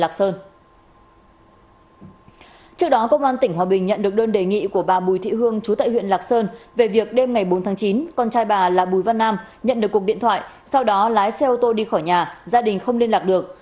trước đó công an tỉnh hòa bình nhận được đơn đề nghị của bà bùi thị hương chú tại huyện lạc sơn về việc đêm ngày bốn tháng chín con trai bà là bùi văn nam nhận được cuộc điện thoại sau đó lái xe ô tô đi khỏi nhà gia đình không liên lạc được